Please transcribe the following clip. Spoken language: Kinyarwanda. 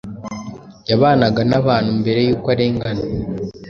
Yabanaga nabantumbere yuko arengana